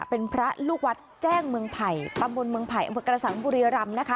เป็นพระลูกวัดแจ้งเมืองไผ่ตำบลเมืองไผ่อำเภอกระสังบุรีรำนะคะ